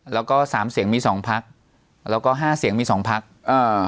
แล้วก็สามเสียงมีสองพักแล้วก็ห้าเสียงมีสองพักอ่า